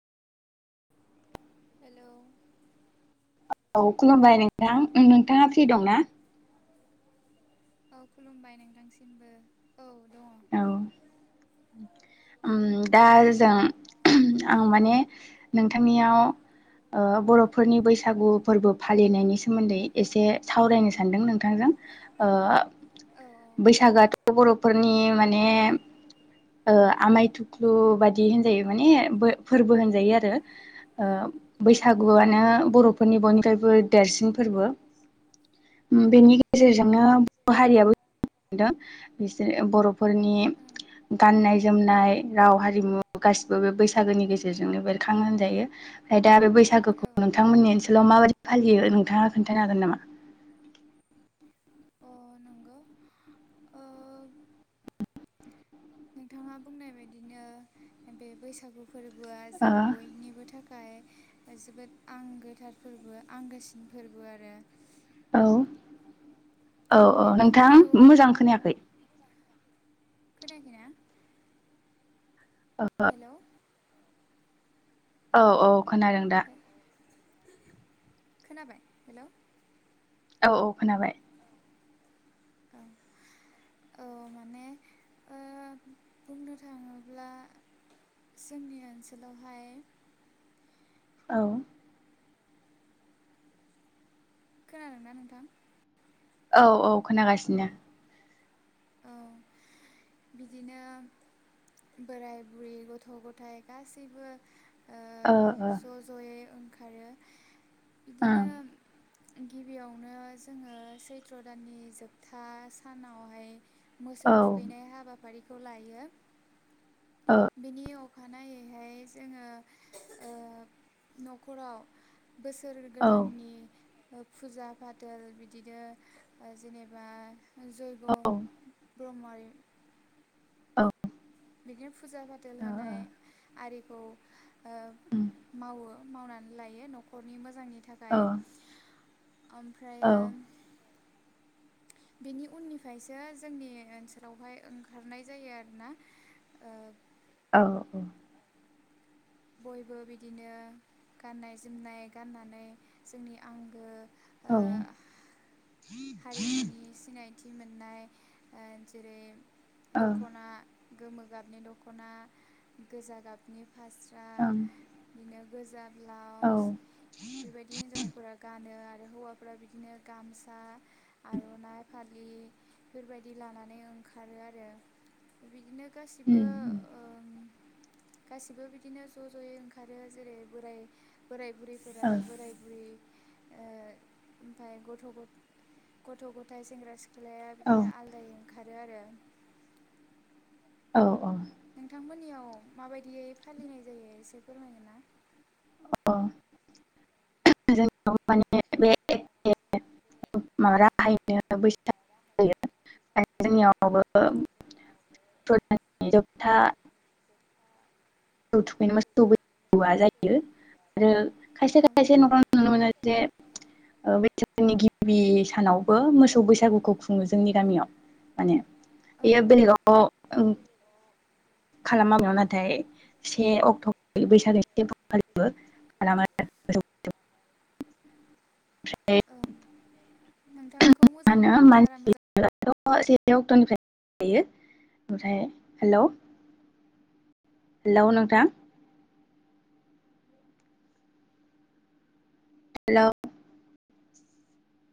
हेल' औ खुलुमबाय नोंथां नोंथांङा फ्रि दं ना? औ खुलुमबाय नोंथांसिमबो औ दं। औ उम्म दा जों आं माने नोंथांनियाव ओ बर'फोरनि बैसागु फोरबो फालिनायनि सोमोन्दै एसे सावरायनो सानदों नोंथांजों ओ औ बैसागोआथ' बर'फोरनि ने ओ आमाय थुख्लु बाददि होनजायो। माने बो फोरबो होनजायो आरो ओ औ बैसागुआनो बर' फोरनि बयनिफ्राइबो देरसिन फोरबो उम्म औ बेनि ओं गेजेरजोंनो बर' हारियाबो बिसोर बर' फोरनि गाननाय जोमनाय राव हारिमु गासिबो बे बैसागोनि गेजेरजोंनो बेरखांङो होनजायो ओमफ्राय दा बे बैसागोखौ ओं नोंथांमोननि ओनसोलाव माबायदि फालियो नोंथांङा खोन्थानो हागोन नामा? अ नंगौ ओ नोंथांङा बुंनाय बायदिनो बे बैसागु फोरबोआ जों बयनिबो थाख थाखाय जोबोद आंगोथार फोरबो आंगोसिन फोरबो आरो। औ औ औ बे नोंथां फोरबोखौ मोजां खोनायाखै। खोनायाखैना? हेलौ [unintelligible] औ औ खोनादों दा? खोनाबाय हेल'? औ औ खोनाबाय। औ औ माने ओ बुंनो थांङोब्ला जोंनि ओनसोलावहाय औ खोनादोंना नोंथां? औ औ खोनागासिनो। ओ बिदिनो बोराय बुरै गथ' गथायाइ गासैबो ओ ज' ज'यै ओं आरो उम्म गिबियावनो जोङो सैथ्र' दाननि जोबथा सानावहाय मोसौ ओं औ थुखैनाय हाबाफारि। खौ लायो। बिनि अखानायैहाय जोङो ओ। न'खराव बोसोर ओ औ गोदाननि ओ फुजा फाथाल बिदिनो ओ जेनेबा। जैग' औ ब्रह्महारि। औ। बिदिनो फुजा फाथाल होनाय आरिखौ ओ उम मावो मावनानै लायो न'खरनि मोजांनि। नि औ थाखाय ओमफ्राय औ ओ। बेनि उननिफ्रायसो जोंनि ओनसोलावहाय ओंखारनाय जायो आरो ना ओ औ औ। बयबो बिदिनो गाननाय जोमनाय गाननानै जोंनि आंगो। ओ औ हारिमुनि सिनायथि। मोननाय ओ जेरै दख'ना। गोमो गाबनि दख'ना गोजा गाबनि फास्रा। ओं बिदिनो। गोजा। औ ब्लाउस बेफोरबायदि हिनजावफोरा। गानो आरो हौवाफ्रा बिदिनो गामसा। आर'नाइ फालि बेबायदि लानानै ओंखारो आरो बिदिनो उम गासिबो ओ गासिबो बि बिनो ज' ज'यै ओंखारो जेरै बोराय बोराय बुरैफोरा औ बोराय बुरै ओ ओमफाय गथ' गथ गथ' गथाय सेंग्रा सिख्ला सिख्लाया औ बिदिनो आलदायै ओंखारो आरो। औ औ। नोंथांमोननियाव माबायदियै फालिनाय जायो एसे फोरमायगोन ना। औ माने बेबादिनो एखे। माबा राहायनो बैस जायो जोंनियावबो बैसागनि जोबथा। मोसौ थुखैनो मोसौ बौआ जायो आरो खायसे ओं खायसे न'याव नुनो मोनो। जे बैसागोनि गिबि सानावबो मोसौ बैसागुखौ खुङो जोंनि गामियाव माने। ओं बेयो बेलेगयाव। ओम। खालामा बेनाव नाथाय से अक्ट' बैसागो से फेब्रुवारिबो खालामो ओमफ्राय। नोंथांनिखौ मोजां बारा मोजां [unintelligible] से अक्ट'निफ्राय [unintelligible] ओमफ्राय हेल' हेल' नोंथां हेल'